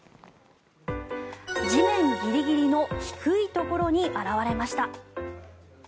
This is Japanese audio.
地面ギリギリの低いところに現れました。